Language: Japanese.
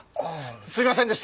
すいませんでした！